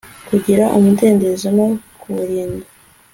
kugira umudendezo no kuwurinda